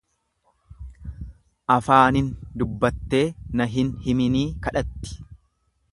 Afaanin dubbattee na hin himinii kadhatti.